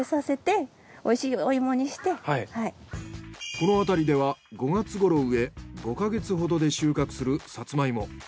この辺りでは５月ごろ植え５か月ほどで収穫するサツマイモ。